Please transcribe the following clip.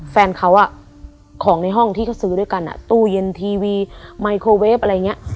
แฟนเขาของในห้องที่เขาซื้อด้วยกันตู้เย็นทีวีไมโครเวฟอะไรอย่างนี้